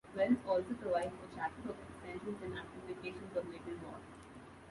Wells also provides a chapter of "Extensions and Amplifications of Little War".